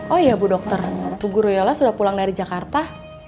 oh iya bu dokter bu guru yola sudah pulang dari jakarta